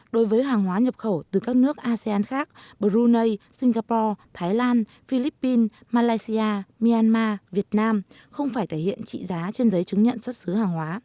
đối với hàng hóa nhập khẩu từ các nước asean khác brunei singapore thái lan philippines malaysia myanmar việt nam không phải thể hiện trị giá trên giấy chứng nhận xuất xứ hàng hóa